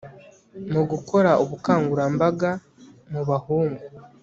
mu gukora ubukangurambaga mu bahungu